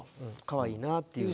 かわいいなっていう。